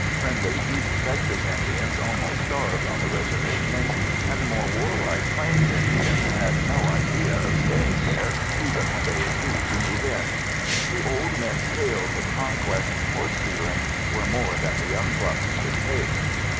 Friendly East Texas Indians almost starved on the reservations, and the more warlike plains tribes had no idea of staying there even when they agreed to move in. The old men's tales of conquest and horse stealing were more than the young bucks could take.